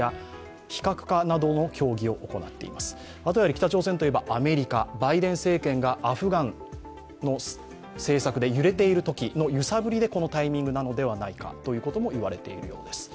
北朝鮮といえば、アメリカバイデン政権がアフガンの政策で揺れているときの揺さぶりで、このタイミングなのではないかということも言われているようです。